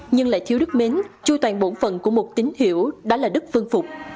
nhưng lại thiếu đức mến chui toàn bổn phần của một tính hiểu đó là đức phương phục